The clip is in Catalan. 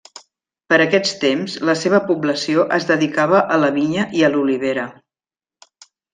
Per aquests temps la seva població es dedicava a la vinya i a l'olivera.